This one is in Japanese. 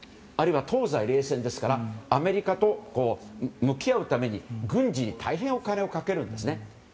あるいは東西冷戦ですからアメリカと向き合うために軍事に大変お金をかけるんです。